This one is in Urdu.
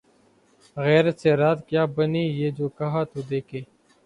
’’ غیر سے رات کیا بنی ‘‘ یہ جو کہا‘ تو دیکھیے